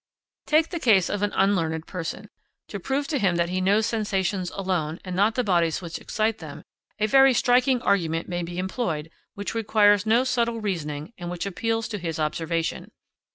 Take the case of an unlearned person. To prove to him that he knows sensations alone and not the bodies which excite them, a very striking argument may be employed which requires no subtle reasoning and which appeals to his observation.